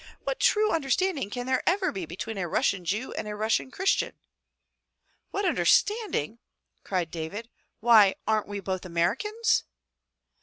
What true understanding can there ever be between a Russian Jew and a Russian Christian?" "What understanding?" cried David. "Why, aren't we both Americans?"